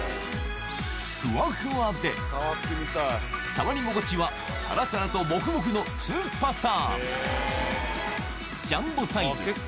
フワフワで、触り心地はサラサラとモフモフの２パターン。